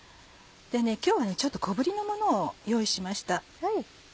今日はちょっと小ぶりのものを用意しました。